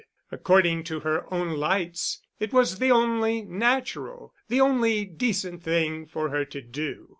According to her own lights, it was the only natural, the only decent thing for her to do.